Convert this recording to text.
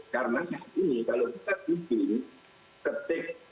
karena saat ini kalau kita pilih